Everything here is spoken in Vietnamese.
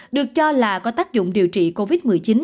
được cho là có tác dụng điều trị covid một mươi chín